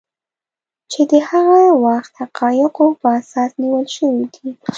چې د هغه وخت حقایقو په اساس نیول شوي دي